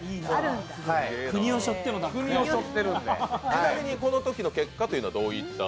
ちなみに、このときの結果はどういった？